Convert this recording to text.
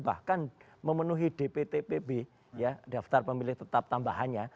bahkan memenuhi dptpb ya daftar pemilih tetap tambahannya